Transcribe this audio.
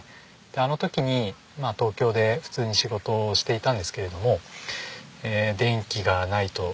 あの時に東京で普通に仕事をしていたんですけれども。